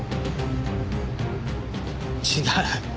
違う。